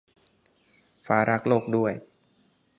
ฟ้ารักโลกด้วย